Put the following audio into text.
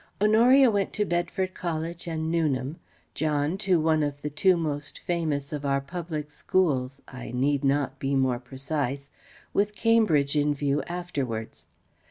Honoria went to Bedford College and Newnham; John to one of the two most famous of our public schools (I need not be more precise), with Cambridge in view afterwards.